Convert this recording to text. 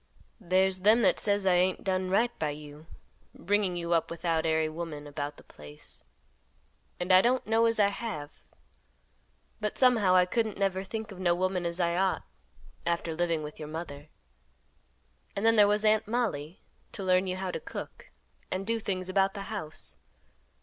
"There's them that says I ain't done right by you, bringing you up without ary woman about the place; and I don't know as I have, but somehow I couldn't never think of no woman as I ought, after living with your mother. And then there was Aunt Mollie to learn you how to cook and do things about the house.